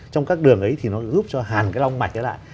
trong các đường ấy thì nó giúp cho hàn cái long mạch ấy lại